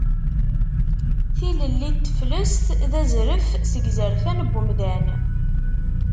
Tilelli n teflest d azref seg izerfan n wemdan.